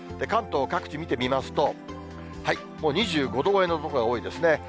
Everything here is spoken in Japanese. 関東各地見てみますと、もう２５度超えの所が多いですね。